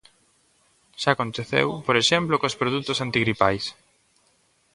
Xa aconteceu, por exemplo, cos produtos antigripais.